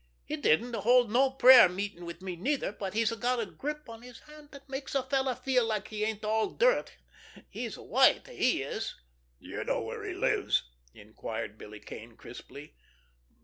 He didn't hold no prayer meeting with me neither, but he's got a grip in his hand that makes a fellow feel he ain't all dirt. He's white, he is!" "Do you know where he lives?" inquired Billy Kane crisply.